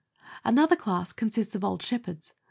121 Another class consists of old shepherds.